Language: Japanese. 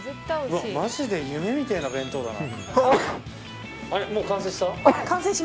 マジで夢みたいな弁当だな。